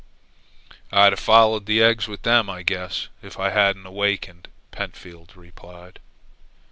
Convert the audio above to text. "I'd have followed the eggs with them, I guess, if I hadn't awakened," Pentfield replied.